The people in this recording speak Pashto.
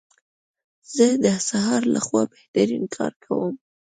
زه د سهار لخوا بهترین کار کوم.